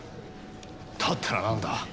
だったら何だ。